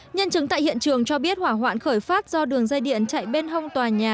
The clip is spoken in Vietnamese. nhân chứng tại hiện trường cho biết hỏa hoạn khởi phát do đường dây điện chạy bên hông tòa nhà